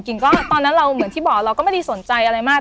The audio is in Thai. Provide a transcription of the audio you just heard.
ตอนนั้นเราเหมือนที่บอกเราก็ไม่ได้สนใจอะไรมาก